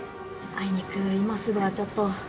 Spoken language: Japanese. あいにく今すぐはちょっと。